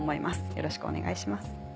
よろしくお願いします。